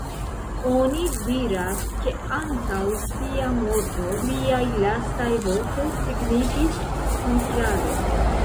Oni diras, ke antaŭ sia morto, liaj lastaj vortoj signifis "Kontraŭe".